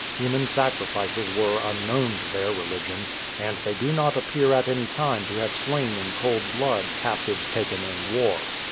Human sacrifices were unknown to their religion, and they do not appear at any time to have slain in cold blood captives taken in war.